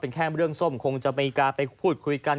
เป็นแค่เรื่องส้มคงจะอเมริกาไปคุยกัน